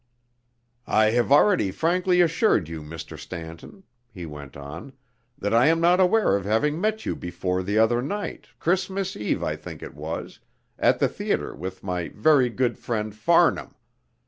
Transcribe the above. "I have already frankly assured you, Mr. Stanton," he went on, "that I am not aware of having met you before the other night Christmas Eve, I think it was at the theatre with my very good friend Farnham.